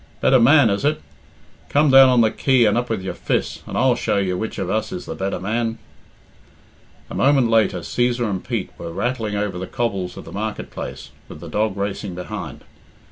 "Better man, is it? Come down on the quay and up with your fiss, and I'll show you which of us is the better man." A moment later Cæsar and Pete were rattling over the cobbles of the market place, with the dog racing behind.